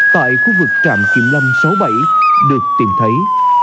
tại khu vực trạm kiểm lâm sáu mươi bảy được tìm thấy